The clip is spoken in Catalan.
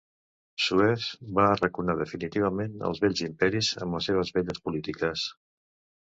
Suez va arraconar definitivament els vells imperis amb les seves velles polítiques.